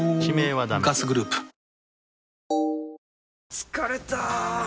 疲れた！